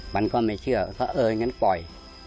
มันก็ไม่เชื่อเพราะเอออย่างนั้นปล่อย